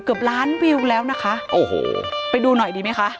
เกือบล้านวิวแล้วนะคะโอ้โหไปดูหน่อยดีไหมคะ